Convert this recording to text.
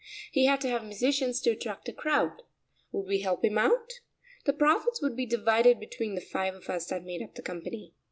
He had to have musicians to attract a crowd. Would we help him out? The profits would be divided between the five of us that made up the company.